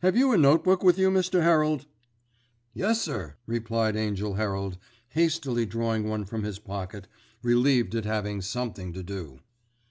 Have you a notebook with you, Mr. Herald?" "Yes, sir," replied Angell Herald, hastily drawing one from his pocket, relieved at having something to do.